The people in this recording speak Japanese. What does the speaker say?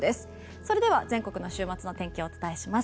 それでは全国の週末の天気お伝えします。